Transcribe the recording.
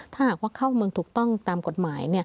ถ้าหากว่าเข้าเมืองถูกต้องตามกฎหมาย